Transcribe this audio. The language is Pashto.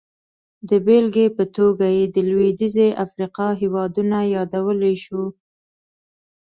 د بېلګې په توګه یې د لوېدیځې افریقا هېوادونه یادولی شو.